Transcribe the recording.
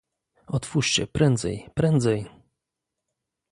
"otwórzcie prędzej, prędzej!..."